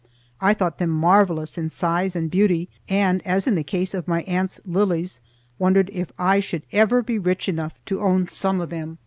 I thought them marvelous in size and beauty and, as in the case of my aunt's lilies, wondered if I should ever be rich enough to own some of them.